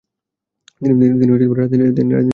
তিনি রাজনীতিতেও সক্রিয় ছিলেন।